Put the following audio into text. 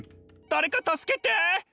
誰か助けて！